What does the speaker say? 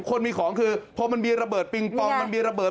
คนมีของคือพอมันมีระเบิดปิงปองมันมีระเบิด